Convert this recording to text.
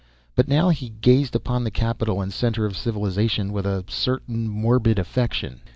But now he gazed upon the capital and center of civilization with a certain morbid affection.